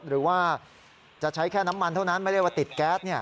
หรือว่าจะใช้แค่น้ำมันเท่านั้นไม่ได้ว่าติดแก๊ส